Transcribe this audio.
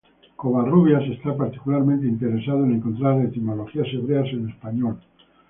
Covarrubias está particularmente interesado en encontrar etimologías hebreas en español.